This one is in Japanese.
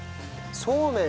そうめんを。